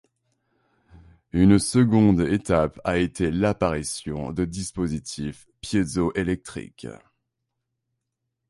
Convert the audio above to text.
Une seconde étape a été l'apparition de dispositifs piézoélectriques.